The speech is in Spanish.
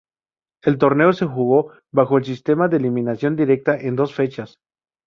El torneo se jugó bajo el sistema de eliminación directa en dos fechas.